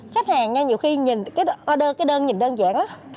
khách hàng nhiều khi nhìn cái đơn cái đơn nhìn đơn giản đó